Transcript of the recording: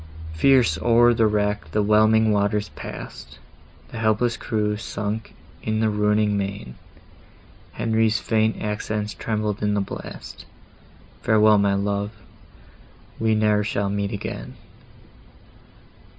Fierce o'er the wreck the whelming waters pass'd, The helpless crew sunk in the roaring main! Henry's faint accents trembled in the blast— "Farewell, my love!—we ne'er shall meet again!"